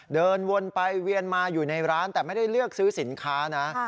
เดินวนไปเวียนมาอยู่ในร้านแต่ไม่ได้เลือกซื้อสินค้านะ